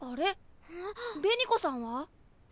紅子さんは？